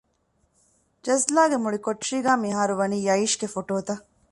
ޖަޒްލާގެ މުޅި ކޮޓަރީގައި މިހާރުވަނީ ޔައީޝްގެ ފޮޓޯތައް